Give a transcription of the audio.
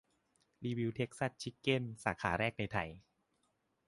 รีวิวเทกซัสชิกเก้นสาขาแรกในไทย